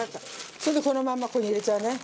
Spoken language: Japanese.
それでこのままここに入れちゃうね。